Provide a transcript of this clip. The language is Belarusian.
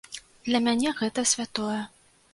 Для мяне гэта святое.